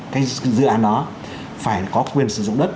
cái dự án đó phải có quyền sử dụng đất